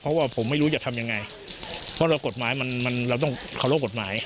เพราะว่าผมไม่รู้จะทำยังไงเพราะเรากฎหมายมันมันเราต้องเคารพกฎหมาย